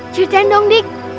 ceritain dong dik